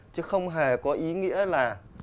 chứ không hề có ý nghĩa là